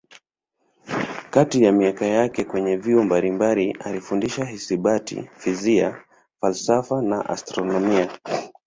Katika miaka yake kwenye vyuo mbalimbali alifundisha hisabati, fizikia, falsafa na astronomia.